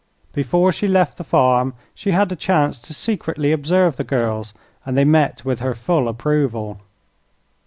Before she left the farm she had a chance to secretly observe the girls, and they met with her full approval.